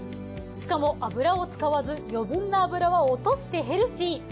しかも油を使わず余分な脂は落としてヘルシー。